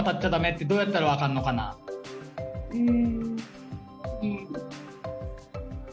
うん。